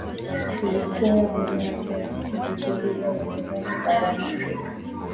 vilikuwa mojawapo ya vita vikuu dhidi ya ukoloni barani Afrika